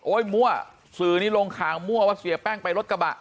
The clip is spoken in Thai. มั่วสื่อนี้ลงข่าวมั่วว่าเสียแป้งไปรถกระบะ